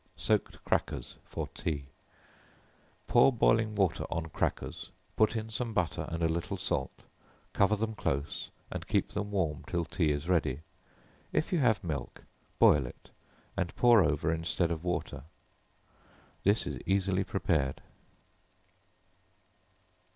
Soaked Crackers for Tea. Pour boiling water on crackers, put in some butter and a little salt; cover them close and keep them warm till tea is ready; if you have milk, boil it, and pour over instead of water. This is easily prepared.